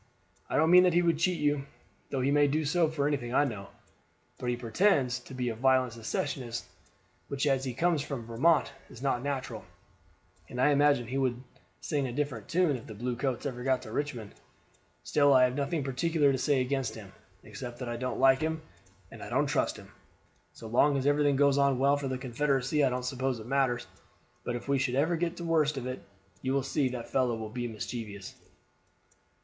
I don't mean that he would cheat you, though he may do so for anything I know; but he pretends to be a violent Secessionist, which as he comes from Vermont is not natural, and I imagine he would sing a different tune if the blue coats ever get to Richmond. Still I have nothing particular to say against him, except that I don't like him and I don't trust him. So long as everything goes on well for the Confederacy I don't suppose it matters, but if we should ever get the worst of it you will see that fellow will be mischievous.